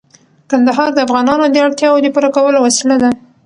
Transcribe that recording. کندهار د افغانانو د اړتیاوو د پوره کولو وسیله ده.